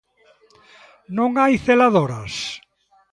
¿Non hai celadoras?